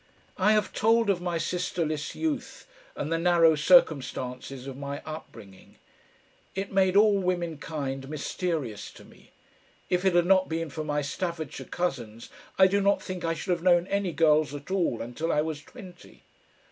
I have told of my sisterless youth and the narrow circumstances of my upbringing. It made all women kind mysterious to me. If it had not been for my Staffordshire cousins I do not think I should have known any girls at all until I was twenty.